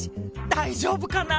大丈夫かな？